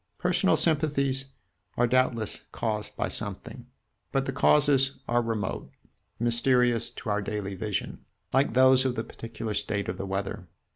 Personal sympathies are doubtless caused by something; but the causes are remote, mysterious to our daily vision, like those of the particular state of the weather.